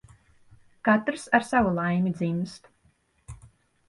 Katrs ar savu laimi dzimst.